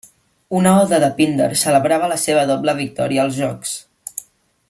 Una oda de Píndar celebrava la seva doble victòria als jocs.